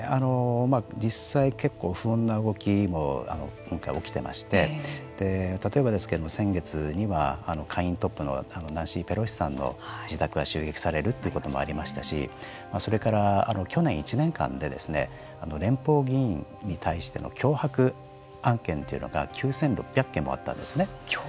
実際結構不穏な動きも今起きてまして例えばですけれども先月には下院トップのナンシー・ペロシさんの自宅が自宅が襲撃されるということもありましたしそれから去年１年間で連邦議員に対しての脅迫案件というのが９６００件もあったんですよね。